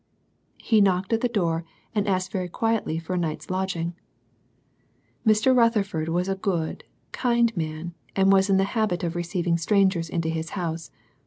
He knocked at the door, and asked very quietly for a night's lodging. Mr. Rutherford was a good, kind man, and was in the habit of receiv ing strangers into his house.